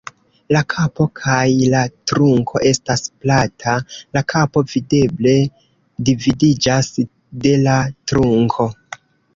La kapo kaj la trunko estas plata, la kapo videble dividiĝas de la trunko.